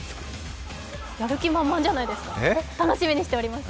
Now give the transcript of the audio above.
やる気満々じゃないですか、楽しみにしています。